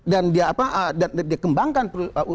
dan dia apa dan dia kembangkan